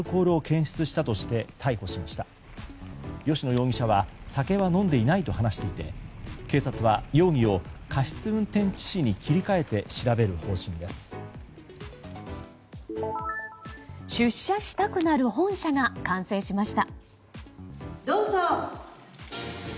出社したくなる本社が完成しました。